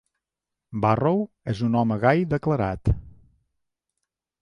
Borrow és un home gai declarat.